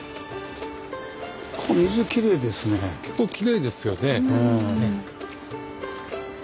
結構きれいですよね。